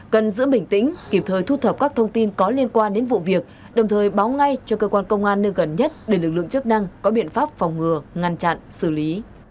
cần giữ bình tĩnh kịp thời thu thập các thông tin có liên quan đến vụ việc đồng thời báo ngay cho cơ quan công an nơi gần nhất để lực lượng chức năng có biện pháp phòng ngừa ngăn chặn xử lý